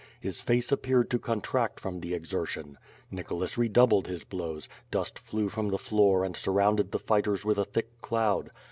His face appeared to contract from the exertion. Nicholas re doubled his blows; dust flew from the floor and surrounded the fighters with a thick cloud.